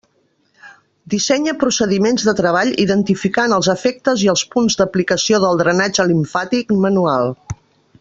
Dissenya procediments de treball identificant els efectes i els punts d'aplicació del drenatge limfàtic manual.